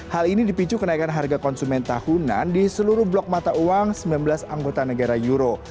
hal ini dipicu kenaikan harga konsumen tahunan di seluruh blok mata uang sembilan belas anggota negara euro